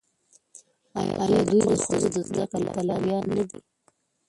آیا دوی د ښځو د زده کړې پلویان نه دي؟